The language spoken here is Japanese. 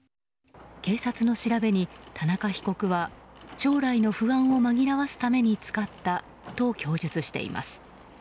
警察の調べに田中被告は将来の不安を紛らわすために使ったと供述しています。